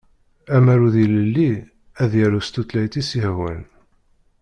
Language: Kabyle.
Amaru d ilelli ad yaru s tutlayt i s-yehwan.